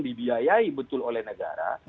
dibiayai betul oleh negara